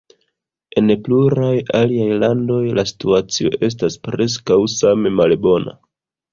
En pluraj aliaj landoj la situacio estas preskaŭ same malbona.